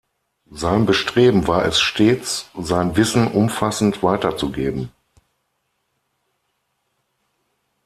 Sein Bestreben war es stets, sein Wissen umfassend weiterzugeben.